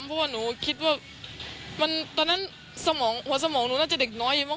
เพราะว่าหนูคิดว่าตอนนั้นสมองหัวสมองหนูน่าจะเด็กน้อยอยู่บ้าง